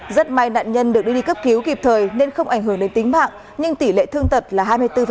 rất may nạn nhân được đưa đi cấp cứu kịp thời nên không ảnh hưởng đến tính mạng nhưng tỷ lệ thương tật là hai mươi bốn